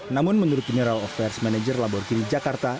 namun menurut general affairs manager lamborghini jakarta